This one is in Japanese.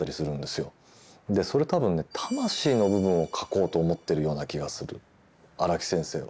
それは多分ね「魂」の部分を描こうと思ってるような気がする荒木先生は。